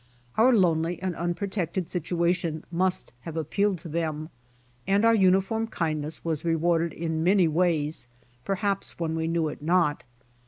Our lonely and unprotected situation mlist have appealed to them, and our uniform kindness was rewarded in many ways perhaps when we knew it not.